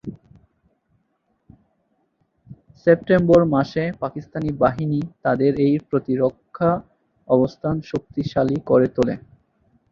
September মাসে পাকিস্তানি বাহিনী তাদের এই প্রতিরক্ষা অবস্থান শক্তিশালী করে তোলে।